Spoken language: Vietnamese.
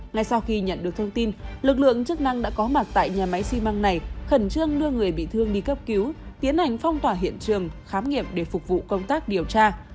ngay sau khi nhận được thông tin lực lượng chức năng đã có mặt tại nhà máy xi măng này khẩn trương đưa người bị thương đi cấp cứu tiến hành phong tỏa hiện trường khám nghiệm để phục vụ công tác điều tra